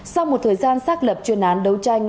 sau một thời gian xác lập chuyên án đấu tranh